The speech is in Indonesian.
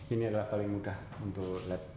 ini adalah paling mudah untuk lab